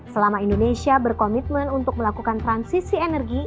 selama indonesia berkomitmen untuk melakukan transisi energi